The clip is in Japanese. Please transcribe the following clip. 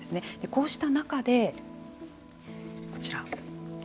こうした中でこちら。